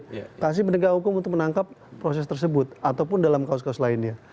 diberi indikasi penegakan hukum untuk menangkap proses tersebut ataupun dalam kaos kaos lainnya